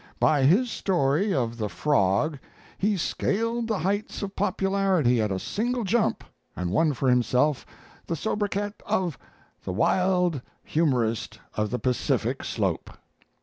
By his story of the Frog he scaled the heights of popularity at a single jump and won for himself the 'sobriquet' of The Wild Humorist of the Pacific Slope.